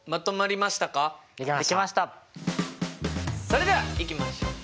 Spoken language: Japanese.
それではいきましょう。